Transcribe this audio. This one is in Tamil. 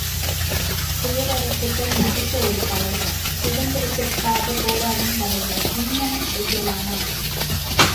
பேரரசுகள் மதித்த ஒரு தலைவர் சுதந்திரத்திற்காகப் போராடும் தலைவர் இங்ஙணம் செய்யலாமா?